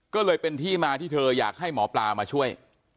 ก็เลยเป็นที่มาที่เธออยากให้หมอปลามาช่วย